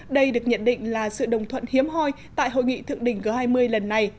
đây được nhận định là sự đồng thuận hiếm hoi tại hội nghị thượng đỉnh g hai mươi lần này